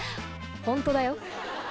「ホントだよ？」